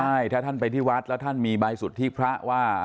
ใช่ถ้าท่านไปที่วัดแล้วท่านมีใบสุทธิพระว่า